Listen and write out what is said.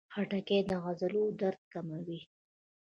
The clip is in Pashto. خټکی د عضلو درد کموي.